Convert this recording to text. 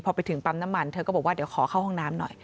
พอไปถึงปั๊มน้ำมันเธอก็บอกว่าเดี๋ยวขอเข้าห้องน้ำหน่อย